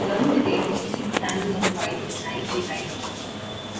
During the day, they sleep standing up while at night they lie down.